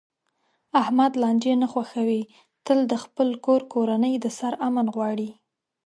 احمد لانجې نه خوښوي، تل د خپل کور کورنۍ د سر امن غواړي.